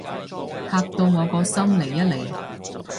嚇到我個心離一離